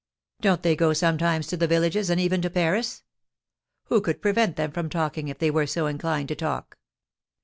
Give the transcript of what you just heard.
"Don't they go sometimes to the villages, and even to Paris? Who could prevent them from talking if they were inclined to talk?